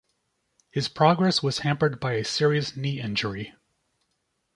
His progress was hampered by a serious knee injury.